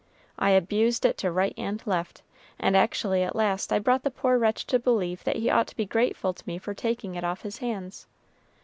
I abused it to right and left, and actually at last I brought the poor wretch to believe that he ought to be grateful to me for taking it off his hands.